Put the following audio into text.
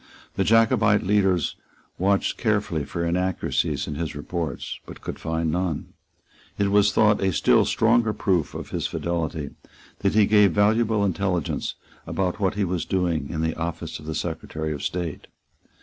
The Jacobite leaders watched carefully for inaccuracies in his reports, but could find none. It was thought a still stronger proof of his fidelity that he gave valuable intelligence about what was doing in the office of the Secretary of State.